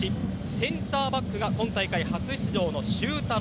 センターバックが今大会初出場のシュータロ。